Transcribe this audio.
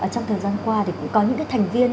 trong thời gian qua thì cũng có những thành viên